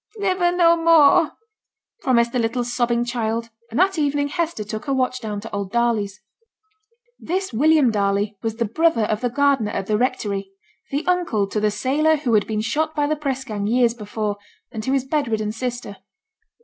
'Niver no more!' promised the little sobbing child. And that evening Hester took her watch down to old Darley's. This William Darley was the brother of the gardener at the rectory; the uncle to the sailor who had been shot by the press gang years before, and to his bed ridden sister.